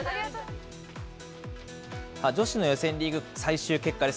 女子の予選リーグ最終結果です。